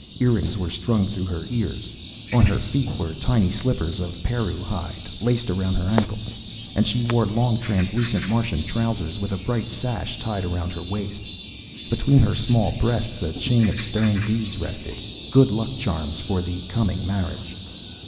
Earrings were strung through her ears. On her feet were tiny slippers of perruh hide, laced around her ankles, and she wore long translucent Martian trousers with a bright sash tied around her waist. Between her small breasts a chain of stone beads rested, good luck charms for the coming marriage.